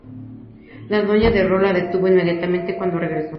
La Doña de Ro la detuvo inmediatamente cuando regresó.